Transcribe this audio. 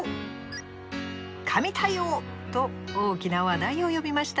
「神対応！」と大きな話題を呼びましたね。